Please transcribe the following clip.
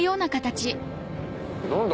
何だ？